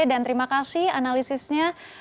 dan terima kasih analisisnya